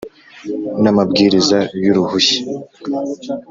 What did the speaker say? n amabwiriza y uruhushya